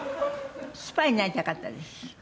スパイになりたかったです。